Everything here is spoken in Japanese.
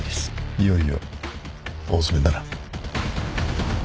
いよいよ大詰めだな。